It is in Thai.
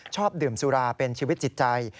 ชอบดื่มสุราเป็นชีวิตจิตใจ